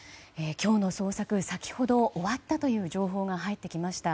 今日の捜索は先ほど終わったという情報が入ってきました。